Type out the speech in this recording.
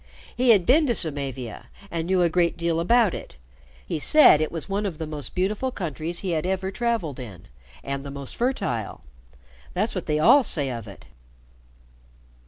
He had been to Samavia, and knew a great deal about it. He said it was one of the most beautiful countries he had ever traveled in and the most fertile. That's what they all say of it."